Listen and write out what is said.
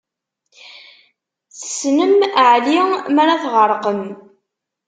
Tessnem Ɛli m'ara tɣerqem!